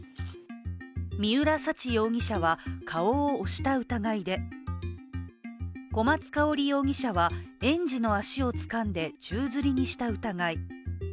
三浦沙知容疑者は顔を押した疑いで、小松香織容疑者は、園児の足をつかんで宙づりにした疑い。